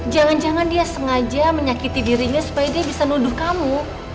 jangan jangan dia sengaja menyakiti dirinya supaya dia bisa nuduh kamu